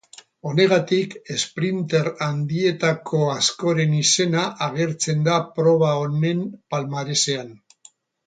Honegatik esprinter handietako askoren izena agertzen da proba honen palmaresean.